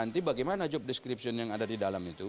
nanti bagaimana job description yang ada di dalam itu